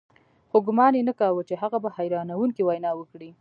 خو ګومان یې نه کاوه چې هغه به حیرانوونکې وینا وکړي